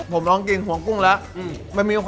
ผมลองกินห่วงกุ้งแล้ว